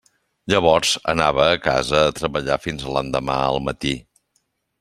Llavors anava a casa a treballar fins a l'endemà al matí.